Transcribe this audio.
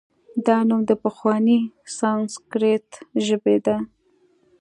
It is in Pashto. دا نوم د پخوانۍ سانسکریت ژبې دی